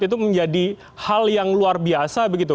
itu menjadi hal yang luar biasa begitu